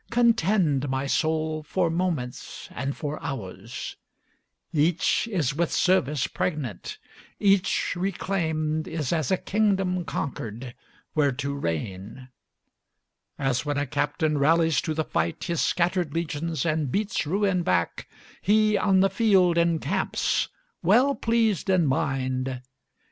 Contend, my soul, for moments and for hours; Each is with service pregnant; each reclaimed Is as a kingdom conquered, where to reign. As when a captain rallies to the fight His scattered legions, and beats ruin back, He, on the field, encamps, well pleased in mind.